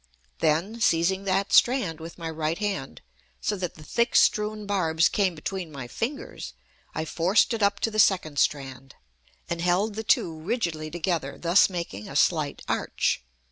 Then, seizing that strand with my right hand, so that the thick strewn barbs came between my fingers, I forced it up to the second strand, and held the two rigidly together, thus making a slight arch.